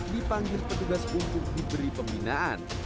dipanggil petugas untuk diberi pembinaan